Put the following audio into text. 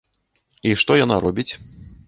І што яна робіць?